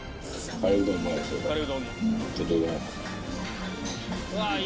カレーうどん、うまい。